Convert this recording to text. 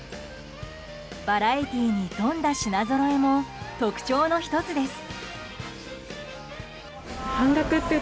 バラエティーに富んだ品ぞろえも特徴の一つです。